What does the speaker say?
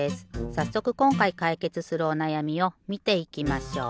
さっそくこんかいかいけつするおなやみをみていきましょう。